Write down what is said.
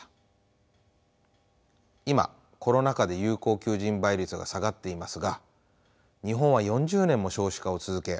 今コロナ禍で有効求人倍率が下がっていますが日本は４０年も少子化を続け